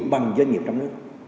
bằng doanh nghiệp trong nước